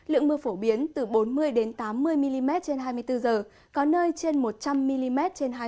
lượng mưa phổ biến từ bốn mươi đến tám mươi mm trên hai mươi bốn giờ có nơi trên một trăm linh mm